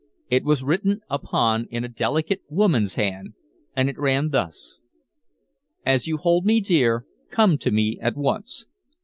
It was written upon in a delicate, woman's hand, and it ran thus: An you hold me dear, come to me at once.